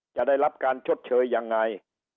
จะได้รับการชดเฉยอย่างไร